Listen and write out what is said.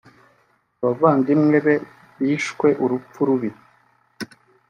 Abavandimwe be bishwe urupfu rubi